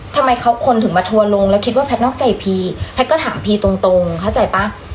ทำไมเขาคนถึงมาทัวร์ลงแล้วคิดว่าแพทย์นอกใจพีแพทย์ก็ถามพีตรงตรงเข้าใจป่ะ